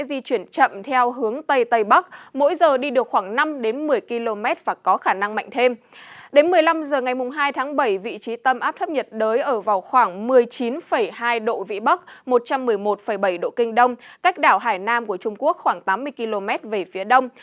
đến một mươi năm h ngày hai tháng bảy vị trí tâm áp thấp nhiệt đới ở vào khoảng một mươi chín hai độ vĩ bắc một trăm một mươi một bảy độ kinh đông cách đảo hải nam của trung quốc khoảng tám mươi km về phía đông